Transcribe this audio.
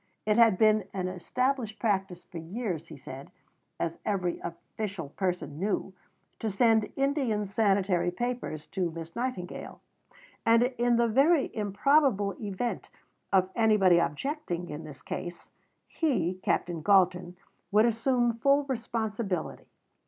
It had been an established practice for years, he said, as every official person knew, to send Indian sanitary papers to Miss Nightingale; and in the very improbable event of anybody objecting in this case, he, Captain Galton, would assume full responsibility.